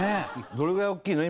どれぐらい大きいの？